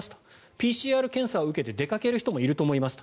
ＰＣＲ検査を受けて出かける人もいると思いますと。